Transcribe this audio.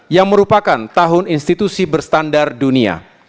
yang merupakan tahun institusi berstandar dunia